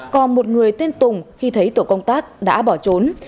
còn một người tên tùng khi thấy tổ công tác đã bỏ trốn